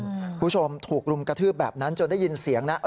คุณผู้ชมถูกรุมกระทืบแบบนั้นจนได้ยินเสียงนะ